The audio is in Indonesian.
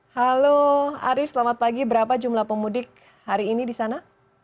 halo arief selamat pagi berapa jumlah pemudik hari ini di sana